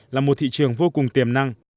là một thị trường vô cùng tiềm năng